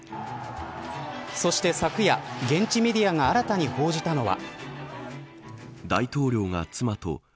そして昨夜、現地メディアが新たに報じたのは。